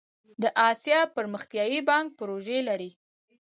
د اسیا پرمختیایی بانک پروژې لري